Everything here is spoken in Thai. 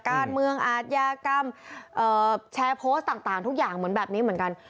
การเมืองอาทยากรรมแชร์โพสต์ต่างทุกอย่างเหมือนแบบนี้เหมือนกัน